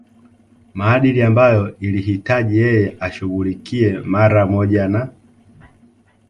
maadili ambayo ilihitaji yeye ashughulikie mara moja na